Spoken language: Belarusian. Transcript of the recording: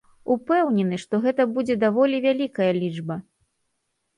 Упэўнены, што гэта будзе даволі вялікая лічба.